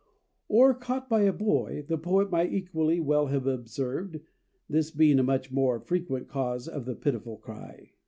Or "caught by a boy" the poet might equally well have observed, this being a much more frequent cause of the pitiful cry.